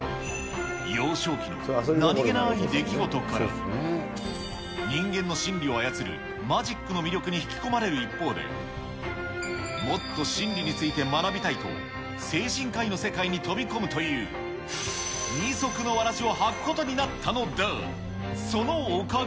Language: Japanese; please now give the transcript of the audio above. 幼少期の何気なーい出来事から、人間の心理を操るマジックの魅力に引き込まれる一方で、もっと心理について学びたいと、精神科医の世界に飛び込むという、二足のわらじを履くことになったのだ。